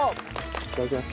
いただきます。